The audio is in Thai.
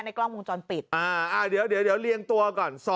กล้องวงจรปิดเดี๋ยวเรียงตัวก่อน